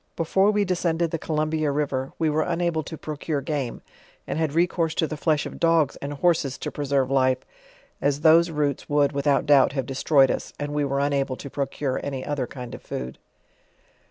Before we descended the Co'urnbia river, we were unable to procure game, and had recourse to the flesh of dogs arid horses to preserve life, as those roots would, without doubt, have destroyed us, and we were unable to procure any other kind of food.